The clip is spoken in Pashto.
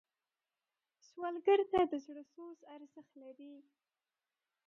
سوالګر ته د زړه سوز ارزښت لري